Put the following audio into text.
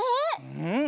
うん！